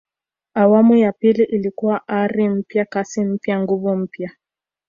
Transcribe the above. awamu ya pili ilikuwa ari mpya kasi mpya nguvu mpya